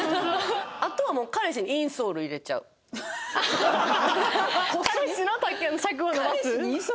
あとはもう彼氏にインソール入れちゃうの？